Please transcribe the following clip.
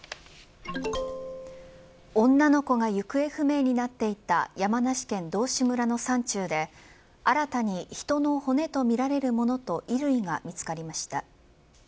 女の子が行方不明になっていた山梨県道志村の山中で新たに人の骨とみられるものと衣類が見つかりました。